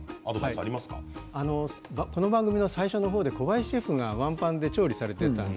この番組の最初の方で小林シェフがワンパンで調理をされていましたね。